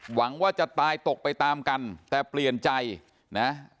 หวังว่าจะตายตกไปตามกันแต่เปลี่ยนใจนะ